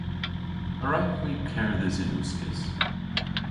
A wrewgh hwi kerdhes yn uskis?